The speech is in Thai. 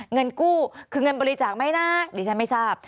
เงินกู้คือเงินบริจาคไหมนะดิฉันไม่ทราบ